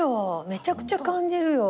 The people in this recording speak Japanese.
めちゃくちゃ感じるよ。